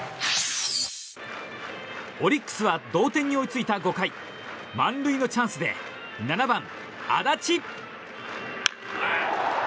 オリックスは同点に追いついた５回満塁のチャンスで７番、安達。